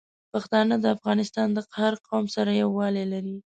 پښتانه د افغانستان د هر قوم سره یوالی لري.